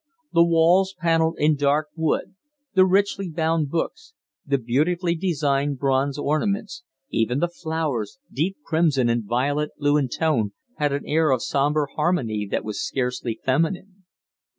The walls panelled in dark wood; the richly bound books; the beautifully designed bronze ornaments; even the flowers, deep crimson and violet blue in tone, had an air of sombre harmony that was scarcely feminine.